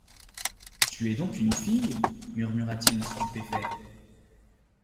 Tu es donc une fille? murmura-t-il, stupéfait.